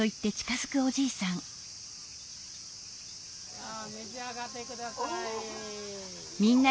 さあめし上がってください。